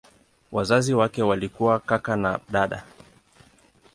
Wazazi wake walikuwa kaka na dada.